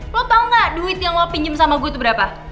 lo tau gak duit yang lo pinjem sama gue tuh berapa